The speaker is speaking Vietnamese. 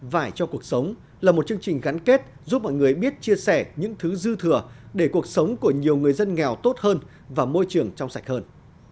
vải cho cuộc sống là một chương trình gắn kết giúp mọi người biết chia sẻ những thứ dư thừa để cuộc sống của nhiều người dân nghèo tốt hơn và môi trường trong sạch hơn